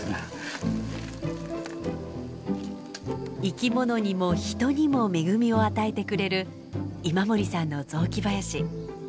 生き物にも人にも恵みを与えてくれる今森さんの雑木林。